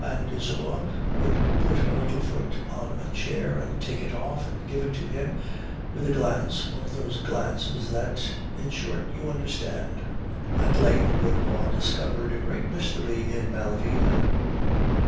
and Isaure would put her little foot on a chair and take it off and give it to him, with a glance, one of those glances that in short, you understand. "At length Godefroid discovered a great mystery in Malvina.